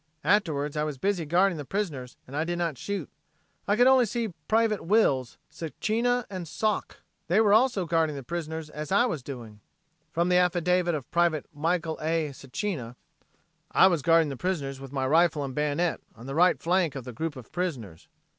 Afterwards I was busy guarding the prisoners and did not shoot. I could only see Privates Wills, Sacina and Sok. They were also guarding prisoners as I was doing." From the affidavit by Private Michael A. Sacina: "I was guarding the prisoners with my rifle and bayonet on the right flank of the group of prisoners.